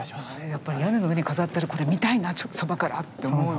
やっぱり屋根の上に飾ってあるこれ見たいなそばからって思う。